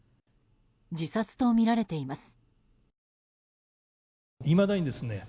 自殺とみられています。